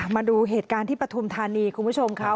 มาดูเหตุการณ์ที่ปฐุมธานีคุณผู้ชมค่ะ